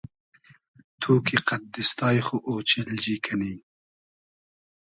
تو کی قئد دیستای خو اۉچیلجی کئنی